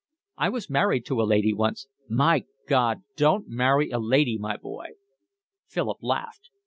I was married to a lady once. My God! Don't marry a lady, my boy." Philip laughed.